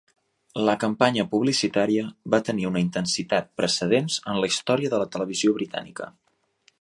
La campanya publicitària va tenir una intensitat precedents en la història de la televisió britànica.